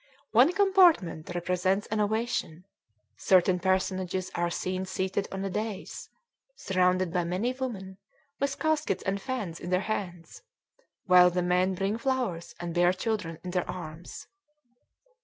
One compartment represents an ovation: certain personages are seen seated on a dais, surrounded by many women, with caskets and fans in their hands, while the men bring flowers and bear children in their arms.